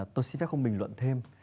tôi xin phép không bình luận thêm